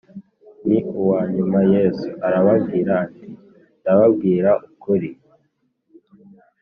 ni uwa nyuma Yesu arababwira ati ndababwira ukuri